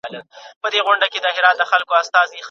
ایا په آنلاین ټولګیو کي د حضوري ټولګیو په نسبت ازمویني سختي دي؟